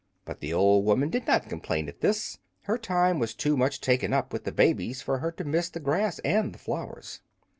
But the old woman did not complain at this; her time was too much taken up with the babies for her to miss the grass and the flowers.